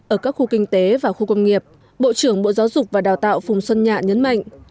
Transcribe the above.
ở các khu kinh tế và khu công nghiệp bộ trưởng bộ giáo dục và đào tạo phùng xuân nhạ nhấn mạnh